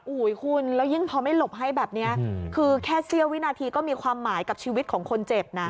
คุณแล้วยิ่งพอไม่หลบให้แบบนี้คือแค่เสี้ยววินาทีก็มีความหมายกับชีวิตของคนเจ็บนะ